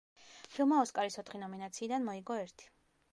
ფილმმა ოსკარის ოთხი ნომინაციიდან მოიგო ერთი.